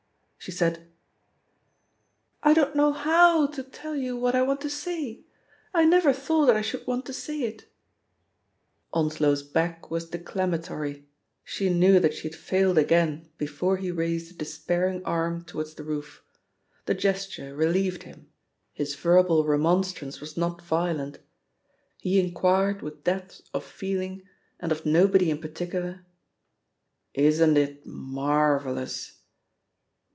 She said: " *I don't know how to tell you what I want to say — I never thought that I should want to say it/ '' Onslow's back was declamatory — she knew that she had failed again before he raised a de spairing arm towards the roof. The gesture re lieved him, his verbal remonstrance was not vio lent. He inquired with depth of feeling, and of nobody in particular, "Isn't it marvellous?"